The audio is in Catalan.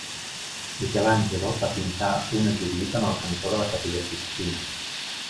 Michelangelo va pintar una Judit en el cantó de la capella Sixtina.